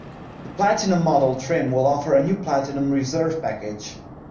The Platinum model trim will offer a new Platinum reserve package.